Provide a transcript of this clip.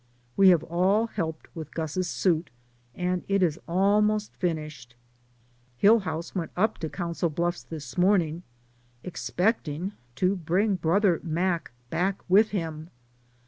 We have all helped with Gus's suit and it is almost finished. Hillhouse went up to Coun cil Bluffs this morning, expecting to bring Brother Mac back with him.